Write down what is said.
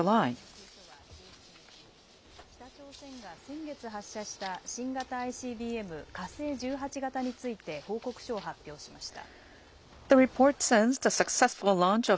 国際問題研究所は１７日、北朝鮮が先月、発射した新型ＩＣＢＭ、火星１８型について報告書を発表しました。